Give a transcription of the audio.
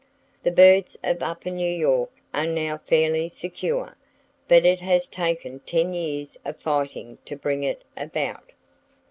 The birds of upper New York are now fairly secure; but it has taken ten years of fighting to bring it about.